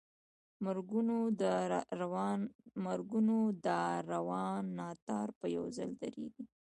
د مرګونو دا روان ناتار به یو ځل درېږي.